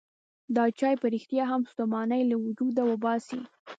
دا چای په رښتیا هم ستوماني له وجوده وباسي.